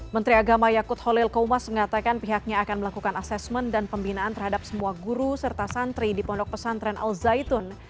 menteri agama yakut holil koumas mengatakan pihaknya akan melakukan asesmen dan pembinaan terhadap semua guru serta santri di pondok pesantren al zaitun